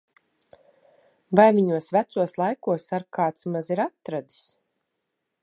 Vai viņos vecos laikos ar kāds maz ir atradis!